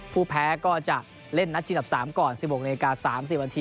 ผู้แพ้ก็จะเล่นนัดชิงตับ๓ก่อน๑๖น๓๐น